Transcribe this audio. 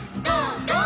「ゴー！